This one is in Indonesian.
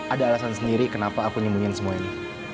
ada alasan sendiri kenapa aku nyembunyiin semua ini